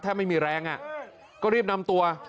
ไม่มีแรงก็รีบนำตัว